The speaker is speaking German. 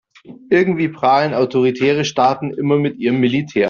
Irgendwie prahlen autoritäre Staaten immer mit ihrem Militär.